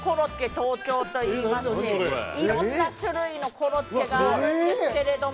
東京といいましていろんな種類のコロッケがあるんですけれども。